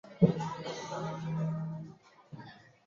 可通过候车室转乘反方向列车。